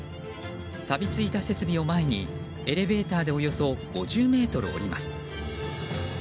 さびついた設備を前にエレベーターでおよそ５０ｍ下ります。